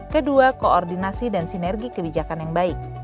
kedua koordinasi dan sinergi kebijakan yang baik